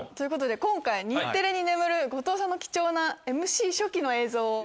今回日テレに眠る後藤さんの貴重なＭＣ初期の映像を。